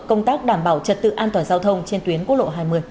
công tác đảm bảo trật tự an toàn giao thông trên tuyến quốc lộ hai mươi